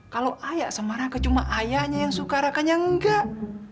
kalau ayah sama rangka cuma ayahnya yang suka rakanya enggak